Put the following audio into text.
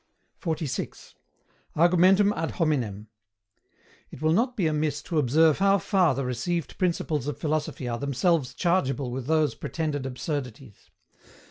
46. ARGUMENTUM AD HOMINEM. It will not be amiss to observe how far the received principles of philosophy are themselves chargeable with those pretended absurdities.